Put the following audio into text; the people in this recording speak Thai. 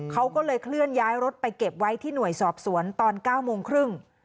เขาก็เลยเคลื่อนย้ายรถไปเก็บไว้ที่หน่วยสอบสวนตอน๙โมงครึ่ง